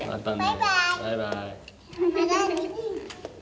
バイバイ！